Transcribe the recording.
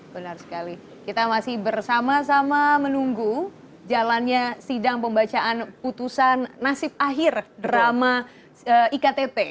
benar sekali kita masih bersama sama menunggu jalannya sidang pembacaan putusan nasib akhir drama iktp